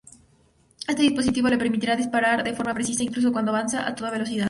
Este dispositivo le permitía disparar de forma precisa, incluso cuando avanzaba a toda velocidad.